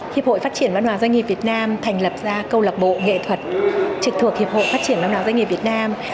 hiệp hội phát triển văn hóa doanh nghiệp việt nam thành lập ra câu lạc bộ nghệ thuật trực thuộc hiệp hội phát triển văn hóa doanh nghiệp việt nam